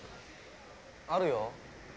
あるよ